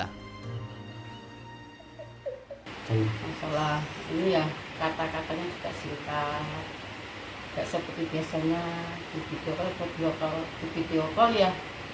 hai selalu ya kata katanya juga singkat nggak seperti biasanya di video call ya